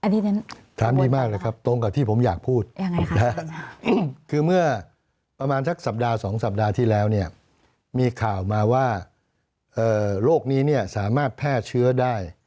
อันนี้ถามดีมากเลยครับตรงกับที่ผมอยากพูดคือเมื่อประมาณสักสัปดาห์๒สัปดาห์ที่แล้วเนี่ยมีข่าวมาว่าโรคนี้เนี่ยสามารถแพร่เชื้อได้